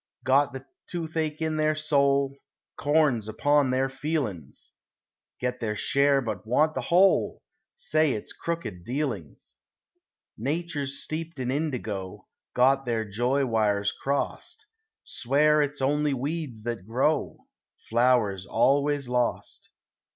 Got the toothache in their soul; Corns upon their feelin's; Get their share but want the whole, Say it's crooked dealings. Natures steeped in indigo; Got their joy wires crossed; Swear it's only weeds that grow; Flowers always lost.